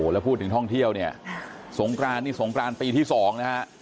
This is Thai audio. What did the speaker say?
แล้วพูดถึงท่องเที่ยวเนี่ยสงกรานนี่สงกรานปีที่๒นะฮะ